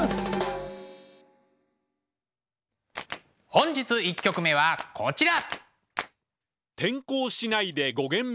本日１曲目はこちら。